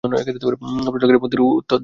প্রশ্নকারীর প্রশ্নের উত্তর দিতেন।